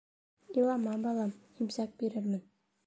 Илама, балам, имсәк бирермен.